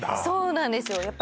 そうなんですよ